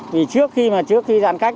vì trước khi giãn cách